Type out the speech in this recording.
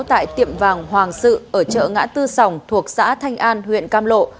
tại tiệm vàng hoàng sự ở chợ ngã tư sòng thuộc xã thanh an huyện cam lộ